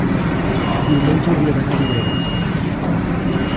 diumenge hauria d'anar a Vidreres.